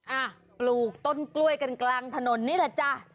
อ่ะปลูกต้นกล้วยกันกลางถนนนี่แหละจ้ะ